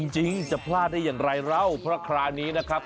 จริงจะพลาดได้อย่างไรเราเพราะคราวนี้นะครับ